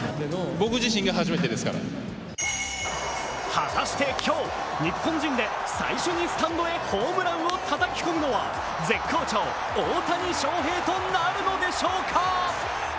果たして今日、日本人で最初にスタンドへホームランをたたき込むのは、絶好調・大谷翔平となるのでしょうか？